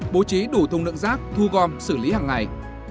bố trí đủ thùng lượng rác thu gom xử lý hàng ngày